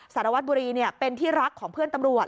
สารวัตรบุรีเป็นที่รักของเพื่อนตำรวจ